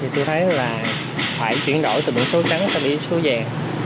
thì tôi thấy là phải chuyển đổi từ biển số trắng cho biển số vàng